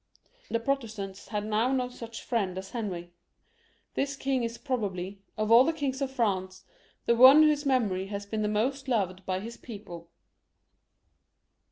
The Protestants had no more such friends as Henry. This king is probably, of all the kings of France, the one whose memory has been the most loved by his people.